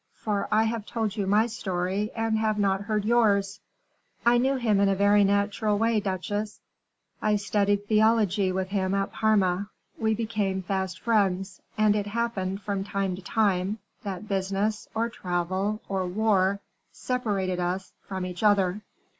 for I have told you my story, and have not yet heard yours." "I knew him in a very natural way, duchesse. I studied theology with him at Parma. We became fast friends; and it happened, from time to time, that business, or travel, or war, separated us from each other."